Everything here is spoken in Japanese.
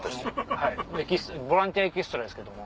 はいボランティアエキストラですけども。